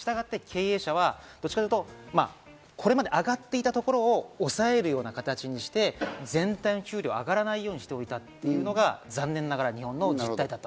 したがって経営者はどちらかというと、これまで上がっていたところを抑えるような形にして、全体の給料が上がらないようにしておいたというのが残念ながら、日本の実態だった。